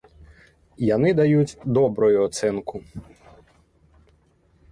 Яны даюць добрую ацэнку.